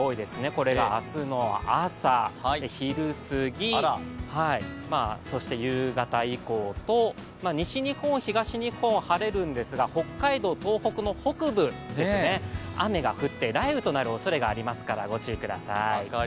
これが明日の朝、昼すぎ、そして夕方以降と、西日本、東日本晴れるんですが北海道、東北の北部ですね雨が降って、雷雨となるおそれがありますからご注意ください。